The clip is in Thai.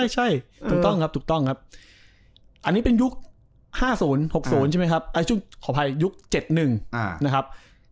ใช่ถูกต้องครับอันนี้เป็นยุค๕๐ยุค๖๐ใช่มั้ยครับขอบภัยยุค๗๑นะครับ